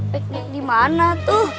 piknik dimana tuh